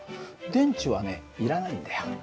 電池はねいらないんだよ。